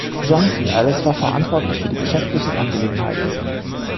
Jonathan Ellis war verantwortlich für die geschäftlichen Angelegenheiten.